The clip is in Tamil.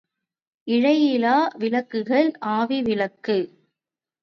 இழையிலா விளக்குகள் ஆவி விளக்கு.